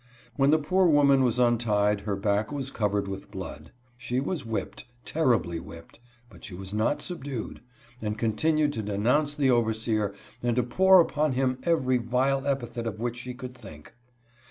When the poor woman was untied her back was covered with blood. She was whip ped, terribly whipped, but she was not subdued, and con tinued to denounce the overseer and to pour upon him every vile epithet of which she could think.